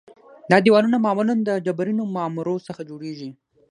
دا دیوالونه معمولاً د ډبرینو معمورو څخه جوړیږي